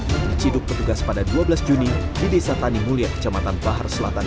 diciduk petugas pada dua belas juni di desa tani mulia kecamatan bahar selatan